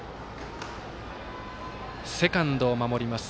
セカンドを守ります